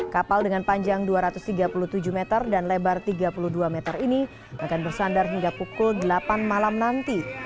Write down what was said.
kapal dengan panjang dua ratus tiga puluh tujuh meter dan lebar tiga puluh dua meter ini akan bersandar hingga pukul delapan malam nanti